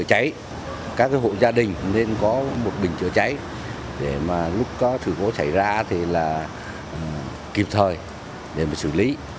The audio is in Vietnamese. các hộ gia đình nên có một bình chữa cháy để lúc có sự cố cháy ra thì kịp thời để xử lý